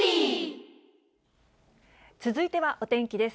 続いてはお天気です。